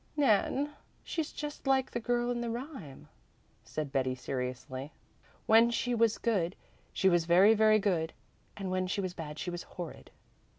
"Nan, she's just like the girl in the rhyme," said Betty seriously. "'When she was good she was very, very good, And when she was bad she was horrid.'